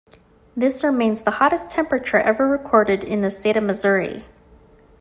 This remains the hottest temperature ever recorded in the state of Missouri.